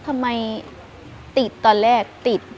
ทำไมติดตอนแรกติด